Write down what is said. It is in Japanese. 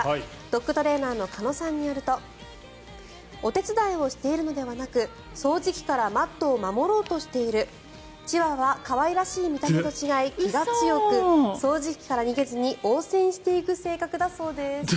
ドッグトレーナーの鹿野さんによるとお手伝いをしているのではなく掃除機からマットを守ろうとしているチワワは可愛らしい見た目と違い気が強く掃除機から逃げずに応戦していく性格だそうです。